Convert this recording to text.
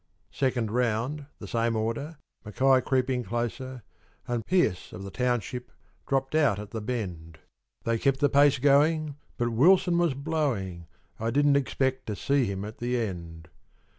Second round the same order, Mackay creeping closer, And Pearce, of the township, dropped out at the bend; They kept the pace going, but Wilson was blowing, I didn't expect to see him at the end.